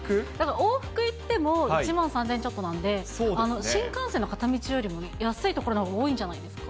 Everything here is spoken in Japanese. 往復いっても１万３０００円ちょっとなんで、新幹線の片道よりも安いところのほうが多いんじゃないですか。